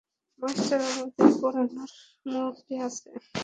Master আমাদের পড়ানোর মুডে আছে।